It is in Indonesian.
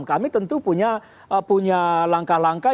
kami tentu punya langkah langkah